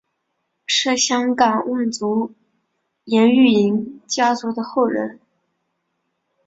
是香港望族颜玉莹家族的后人。